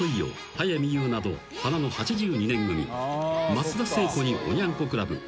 ［松田聖子におニャン子クラブ］